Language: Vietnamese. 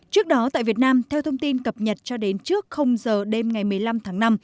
trước đó tại việt nam theo thông tin cập nhật cho đến trước giờ đêm ngày một mươi năm tháng năm